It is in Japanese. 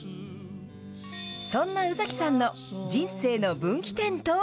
そんな宇崎さんの人生の分岐点とは。